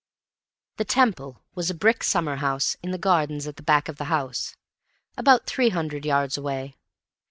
The "Temple" was a brick summer house, in the gardens at the back of the house, about three hundred yards away.